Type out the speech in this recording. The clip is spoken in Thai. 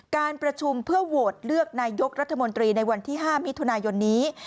การประชุมเพื่อโหวตเลือกนายกรัฐมนตรีในวันที่๕มิถุนายนนี้